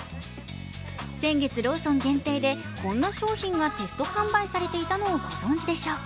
先月、ローソン限定でこんな商品がテスト販売されていたのをご存じでしょうか。